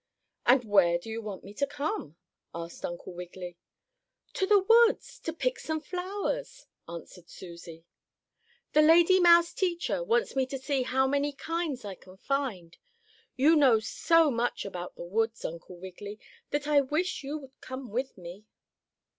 "And where do you want me to come?" asked Uncle Wiggily. "To the woods, to pick some flowers," answered Susie. "The lady mouse teacher wants me to see how many kinds I can find. You know so much about the woods, Uncle Wiggily, that I wish you'd come with me."